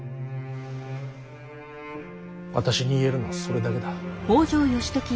私に言えるのはそれだけだ。